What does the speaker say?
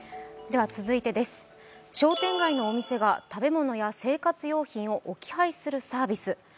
続いてです、商店街のお店が食べ物や生活用品を置き配するサービス。